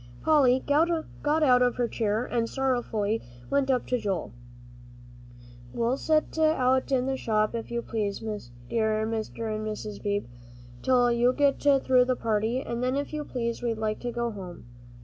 Polly got out of her chair and sorrowfully went up to Joel. "We'll sit out in the shop, if you please, dear Mr. and Mrs. Beebe, till you get through the party. And then, if you please, we'd like to go home."